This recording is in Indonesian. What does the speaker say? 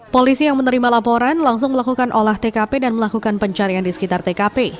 polisi yang menerima laporan langsung melakukan olah tkp dan melakukan pencarian di sekitar tkp